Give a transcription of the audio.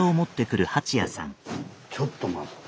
ちょっと待って。